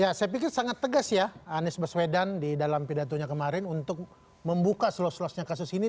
ya saya pikir sangat tegas ya anies baswedan di dalam pidatonya kemarin untuk membuka selos selosnya kasus ini